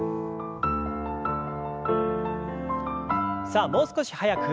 さあもう少し速く。